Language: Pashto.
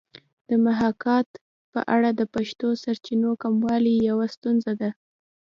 د محاکات په اړه د پښتو سرچینو کموالی یوه ستونزه ده